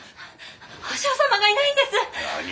お嬢様がいないんです！